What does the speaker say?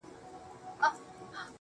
له دې جهانه بېل وي~